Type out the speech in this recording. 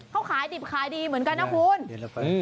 เขาขายดิบขายดีเหมือนกันนะคุณ